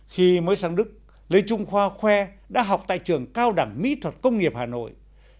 khi mới sang đức lê trung khoa khoe đã học tại trường cao đẳng mỹ thuật công nghiệp hà nội